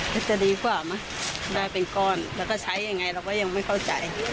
แล้วจะดีกว่าไหมได้เป็นก้อนแล้วก็ใช้ยังไงเราก็ยังไม่เข้าใจ